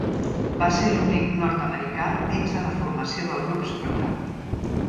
Va ser l'únic nord-americà dins la formació del grup Supertramp.